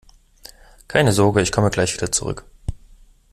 Keine Sorge, ich komme gleich wieder zurück!